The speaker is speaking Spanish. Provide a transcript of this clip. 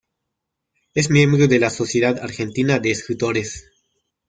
Es miembro de la Sociedad Argentina de Escritores.